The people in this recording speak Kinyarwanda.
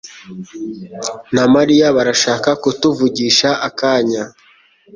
na Mariya barashaka kutuvugisha akanya.